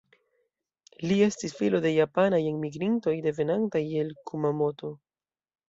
Li estis filo de japanaj enmigrintoj, devenantaj el Kumamoto.